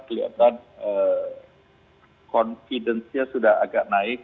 kelihatan confidence nya sudah agak naik